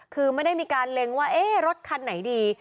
คือไม่ได้มีการเล็งว่ารถคันไหนดี